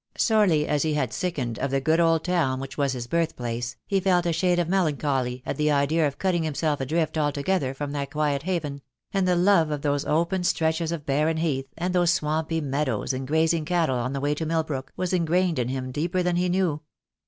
Sorely as he had sickened of the good old town which was his birth place, he felt a shade of melancholy at the idea of cutting himself adrift altogether from that quiet haven; and the love of those open stretches 154 THE DAY WILL C0ME of barren heath and those swampy meadows and grazing cattle on the way to Milbrook, was engrained in him deeper than he knew.